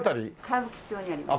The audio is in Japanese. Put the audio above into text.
歌舞伎町になります。